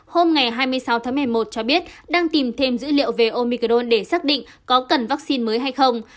hôm ngày hai mươi sáu tháng một mươi một cho biết đang tìm thêm dữ liệu về omicron để xác định có cần vaccine mới hay không